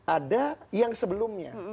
ada yang sebelumnya